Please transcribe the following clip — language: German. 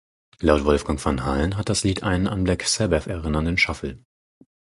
Laut Wolfgang Van Halen hat das Lied einen an Black Sabbath erinnernden Shuffle.